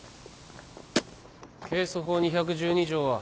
刑訴法２１２条は？